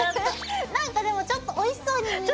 なんかでもちょっとおいしそうに見える。